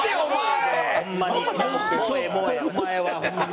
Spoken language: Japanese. お前はホンマ。